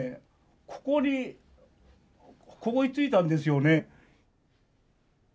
ここにここに着いたんですよね。